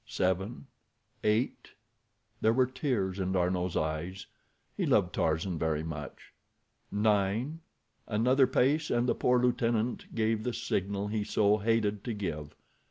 Seven! Eight! There were tears in D'Arnot's eyes. He loved Tarzan very much. Nine! Another pace, and the poor lieutenant gave the signal he so hated to give.